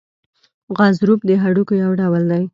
غضروف د هډوکو یو ډول دی.